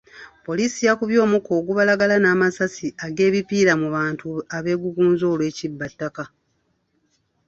Poliisi yakubye omukka ogubalagala n'amasasi ag'ebipiira mu bantu abeegugunze olw'ekibbattaka.